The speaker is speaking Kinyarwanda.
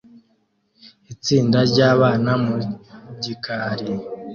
Itsinda ryabana mu gikari